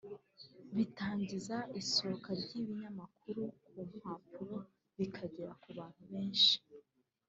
bitangiza isohoka ry’ibinyamakuru ku mpapuro bikagera ku bantu benshi